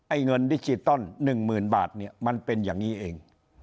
อ๋อไอ้เงินดิจิตัล๑๐๐๐๐บาทมันเป็นอย่างนี้เอง